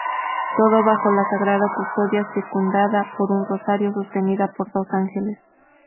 Todo bajo la Sagrada Custodia, circundada por un Rosario, sostenida por dos Ángeles.